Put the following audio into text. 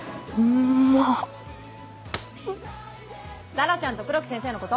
紗良ちゃんと黒木先生のこと！